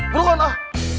buruk on ah